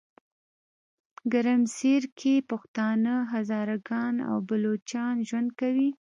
ګرمسیرکې پښتانه، هزاره ګان او بلوچان ژوند کوي.